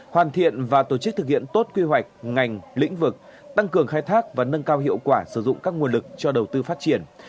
hoàn thiện và tổ chức thực hiện tốt quy hoạch ngành lĩnh vực tăng cường khai thác và nâng cao hiệu quả sử dụng các nguồn lực cho đầu tư phát triển